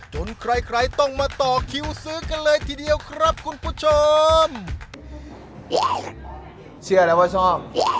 ใครใครต้องมาต่อคิวซื้อกันเลยทีเดียวครับคุณผู้ชมว้าวเชื่อแล้วว่าชอบ